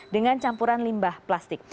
dengan campuran limbah plastik